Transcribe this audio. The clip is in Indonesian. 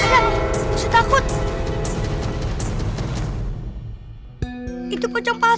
lihat dia pakai sendal